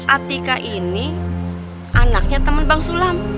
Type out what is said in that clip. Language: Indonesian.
atika ini anaknya teman bang sulam